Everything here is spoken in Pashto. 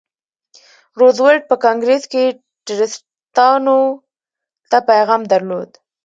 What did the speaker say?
روزولټ په کانګریس کې ټرستانو ته پیغام درلود.